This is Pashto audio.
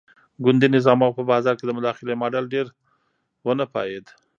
ګوندي نظام او په بازار کې د مداخلې ماډل ډېر ونه پایېد.